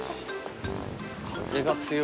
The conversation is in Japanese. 風が強い。